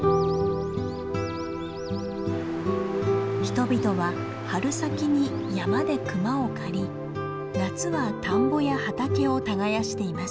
人々は春先に山で熊を狩り夏は田んぼや畑を耕しています。